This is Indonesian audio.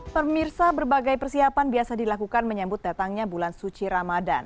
permirsa berbagai persiapan biasa dilakukan menyambut datangnya bulan suci ramadan